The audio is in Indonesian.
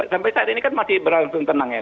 sampai saat ini kan masih berlangsung tenang ya